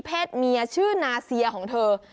เมียชื่อนาเซียของเธอ